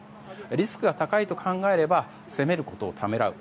リスクが高いと考えれば攻めることをためらう。